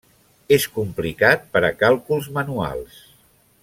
És complicat per a càlculs manuals.